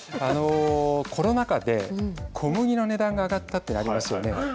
コロナ禍で小麦の値段が上がった話ありますよね。